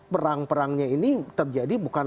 perang perangnya ini terjadi bukan